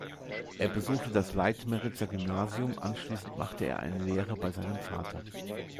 Er besuchte das Leitmeritzer Gymnasium, anschließend machte er eine Lehre bei seinem Vater.